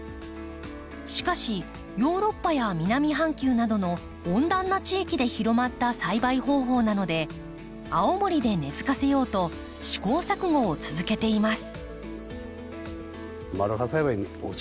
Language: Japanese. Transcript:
しかしヨーロッパや南半球などの温暖な地域で広まった栽培方法なので青森で根づかせようと試行錯誤を続けています。